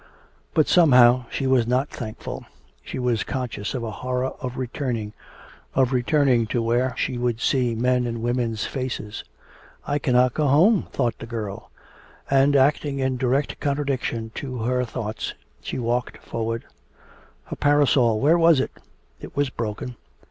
But somehow she was not thankful. She was conscious of a horror of returning, of returning to where she would see men and women's faces. 'I cannot go home,' thought the girl, and acting in direct contradiction to her thoughts, she walked forward. Her parasol where was it? It was broken.